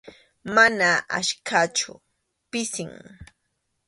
Mana achkachu, pisim.